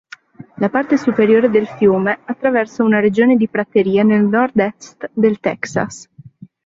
La parte superiore del fiume attraversa una regione di praterie nel nord-est del Texas.